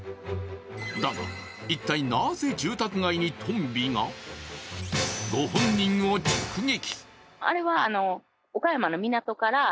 だが一体なぜ住宅街にトンビがご本人を直撃。